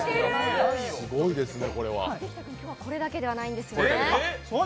できたくん、今日はこれだけではないんですよね。